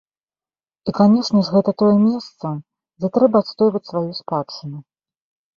І, канешне ж, гэта тое месца, дзе трэба адстойваць сваю спадчыну.